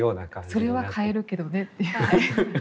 それは買えるけどねっていう。